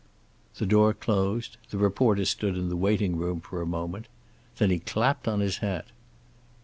The door closed. The reporter stood in the waiting room for a moment. Then he clapped on his hat.